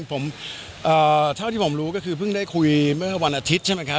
เพราะฉะนั้นผมเอ่อที่ผมรู้ก็คือพึ่งได้คุยเมื่อวันอสทิศใช่ไหมครับ